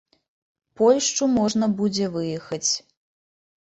Польшчу можна будзе выехаць.